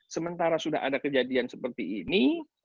sementara sudah ada kejadian seperti ini